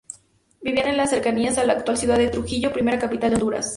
Vivían en las cercanías a la actual ciudad de Trujillo, primera capital de Honduras.